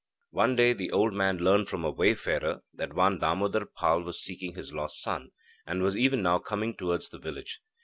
One day the old man learned from a wayfarer that one Damodar Pal was seeking his lost son, and was even now coming towards the village.